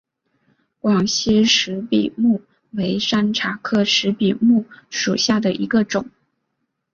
广西石笔木为山茶科石笔木属下的一个种。